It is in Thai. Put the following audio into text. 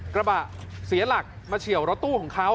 กระบะเสียหลักมาเฉียวรถตู้ของเขา